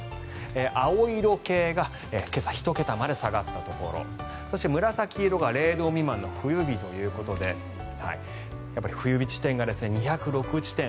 青色系が今朝１桁まで下がったところそして紫色が０度未満の冬日ということでやっぱり冬日地点が２０６地点。